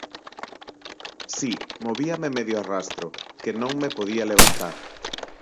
Si, movíame medio a rastro, que non me podía levantar.